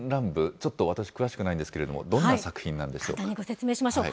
ちょっと私、詳しくないんですけれども、どんな簡単にご説明しましょう。